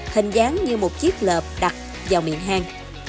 hình dáng như một chiếc lợp đặt vào miệng hang